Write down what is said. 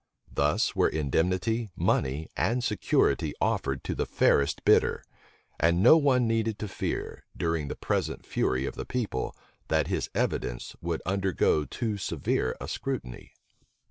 Thus were indemnity, money, and security offered to the fairest bidder: and no one needed to fear, during the present fury of the people, that his evidence would undergo too severe a scrutiny.